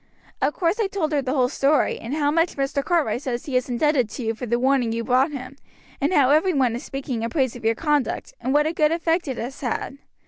Of course I told her the whole story, and how much Mr. Cartwright says he is indebted to you for the warning you brought him, and how every one is speaking in praise of your conduct, and what a good effect it has had.